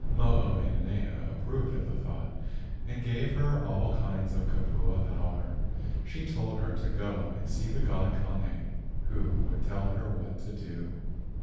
Mo o ina nea approved of the thought and gaye her all kinds of kupua power. She told her to go and see the god Kane, who would tell her what to do.